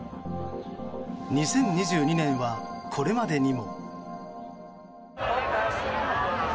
２０２２年はこれまでにも。